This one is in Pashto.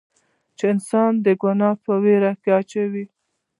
چې انسان د ګناه پۀ وېره کښې اچوي